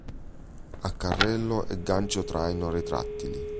Ha carrello e gancio di traino retrattili.